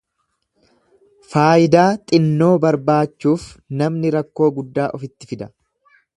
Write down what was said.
Faayidaa xinnoo barbaachuuf namni rakkoo guddaa ofitti fida.